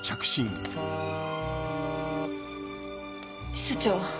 室長